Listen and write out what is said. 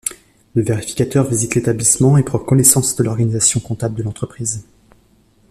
Le vérificateur visite l'établissement et prend connaissance de l'organisation comptable de l'entreprise.